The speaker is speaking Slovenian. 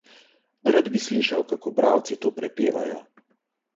Rad bi slišal, kako bralci to prepevajo.